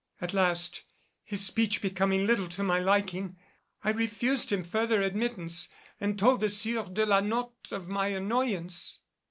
At last, his speech becoming little to my liking, I refused him further admittance and told the Sieur de la Notte of my annoyance."